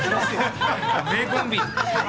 名コンビ。